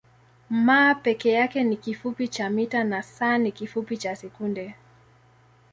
m peke yake ni kifupi cha mita na s ni kifupi cha sekunde.